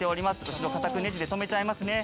後ろ固くねじで留めちゃいますね。